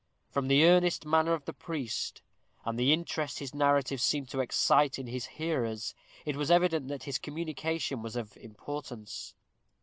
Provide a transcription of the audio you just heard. From the earnest manner of the priest, and the interest his narrative seemed to excite in his hearers, it was evident that his communication was of importance.